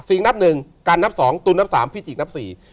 นับหนึ่งการนับสองตุนนับสามพี่จิกนับสี่